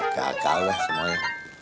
kakak lah semuanya